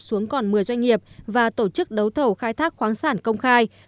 xuống còn một mươi doanh nghiệp và tổ chức đấu thầu khai thác khoáng sản công khai